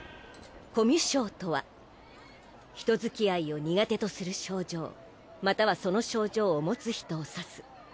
コミュ症とは人づきあいを苦手とする症状またはその症状を持つ人をさす。